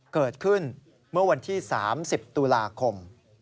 เกิดขึ้นเมื่อวันที่๓๐ตุลาคม